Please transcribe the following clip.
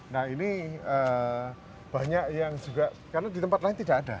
nah ini banyak yang juga karena di tempat lain tidak ada